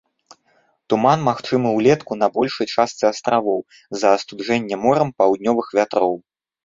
Туман магчымы ўлетку на большай частцы астравоў, з-за астуджэння морам паўднёвых вятроў.